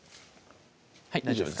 大丈夫です